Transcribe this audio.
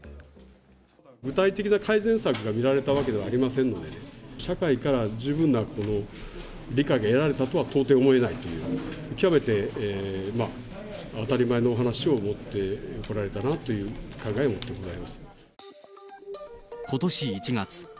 具体的な改善策が見られたわけではありませんのでね、社会から十分な理解が得られたとは、到底思えないという、極めて当たり前の話を持ってこられたなっていう考えを持っており